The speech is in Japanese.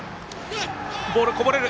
ボールがこぼれる。